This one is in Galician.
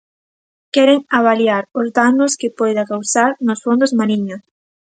Queren avaliar os danos que poida causar nos fondos mariños.